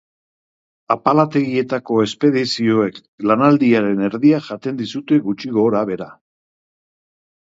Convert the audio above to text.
Apalategietako espedizioek lanaldiaren erdia jaten dizute gutxi gorabehera.